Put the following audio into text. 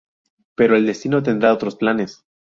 Pero el destino tendrá otros planes.